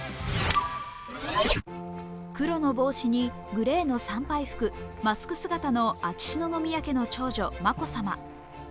黒の帽子にグレーの参拝服、マスク姿の秋篠宮家の長女・眞子さま。